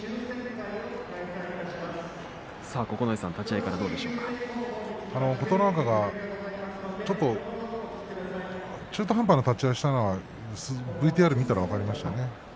九重さん琴ノ若がちょっと中途半端な立ち合いしたのはＶＴＲ見たら分かりましたね。